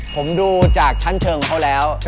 ผมดูจากชั้นเชิงเขาแล้ว